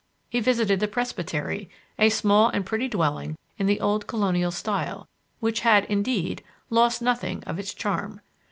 He visited the "presbytery" a small and pretty dwelling in the old colonial style which had, indeed, "lost nothing of its charm."